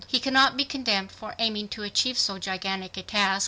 He cannot be condemned for aiming to achieve so gigantic a task.